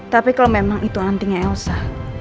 tapi kalau memang itu antinya elsa